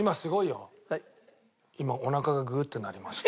今おなかがグーッて鳴りました。